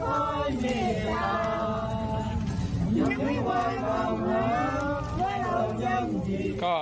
ก็ตอบได้คำเดียวนะครับ